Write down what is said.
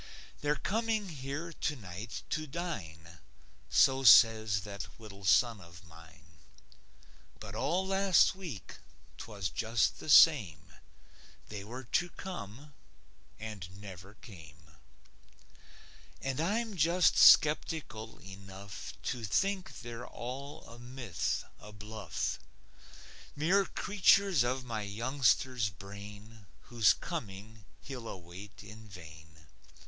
They're coming here tonight to dine, So says that little son of mine. But all last week, 'twas just the same; They were to come, and never came. And I'm just skeptical enough To think they're all a myth, a bluff; Mere creatures of my youngster's brain, Whose coming he'll await in vain.